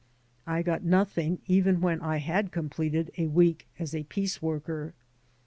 I got nothing even when I had completed a week as a piece worker.